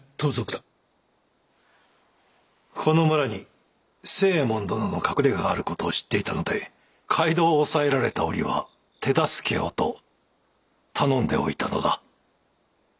この村に星右衛門殿の隠れががある事を知っていたので街道を押さえられた折は手助けをと頼んでおいたのだ。